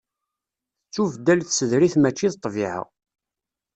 Tettubeddal tsedrit mačči d ṭṭbiɛa.